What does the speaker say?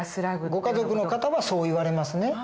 ご家族の方はそう言われますね。